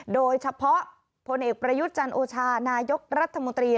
โดยเฉพาะพลเอกประยุทธ์จันโอชานายกรัฐมนตรี